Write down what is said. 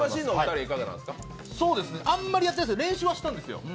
あんまりやってないんですけど、練習はしたんですよ。